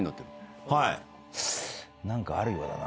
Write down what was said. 何かあるようだな。